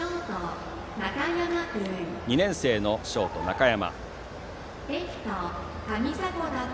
２年生のショート、中山。